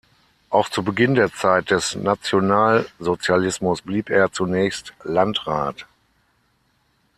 Auch zu Beginn der Zeit des Nationalsozialismus blieb er zunächst Landrat.